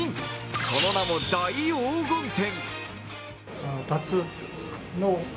その名も大黄金展。